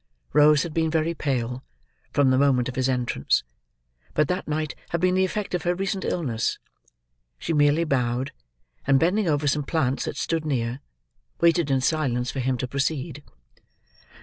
Rose had been very pale from the moment of his entrance; but that might have been the effect of her recent illness. She merely bowed; and bending over some plants that stood near, waited in silence for him to proceed.